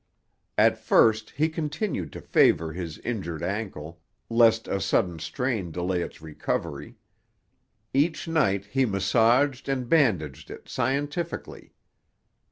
At first he continued to favour his injured ankle, lest a sudden strain delay its recovery. Each night he massaged and bandaged it scientifically.